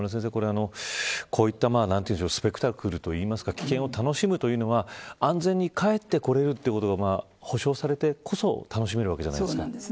こういうスペクタクルといいますか危険を楽しむというのは安全に帰ってこれるというのが保証されてこそ楽しめるわけじゃないですか。